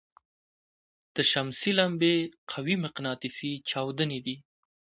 د شمسي لمبې قوي مقناطیسي چاودنې دي.